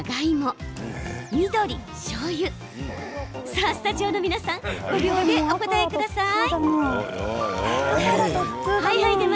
さあ、スタジオの皆さん５秒でお答えください。